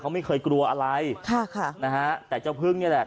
เขาไม่เคยกลัวอะไรค่ะค่ะนะฮะแต่เจ้าพึ่งนี่แหละ